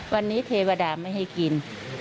วันนี้เทวดาไม่ให้กิน